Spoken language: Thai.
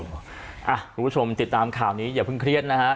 คุณผู้ชมติดตามข่าวนี้อย่าเพิ่งเครียดนะฮะ